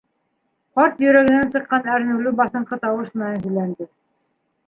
Ҡарт йөрәгенән сыҡҡан әрнеүле баҫынҡы тауыш менән һөйләнде: